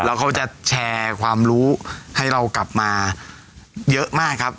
แล้วเขาจะแชร์ความรู้ให้เรากลับมาเยอะมากครับ